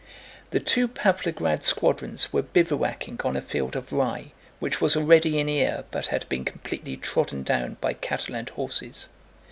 The two Pávlograd squadrons were bivouacking on a field of rye, which was already in ear but had been completely trodden down by cattle and horses.